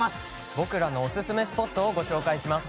僕らのオススメスポットをご紹介します。